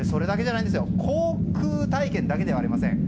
航空体験だけじゃありません。